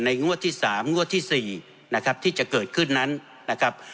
งวดที่๓งวดที่๔นะครับที่จะเกิดขึ้นนั้นนะครับ